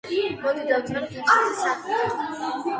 მოდი, დავწეროთ ასეთი სახით.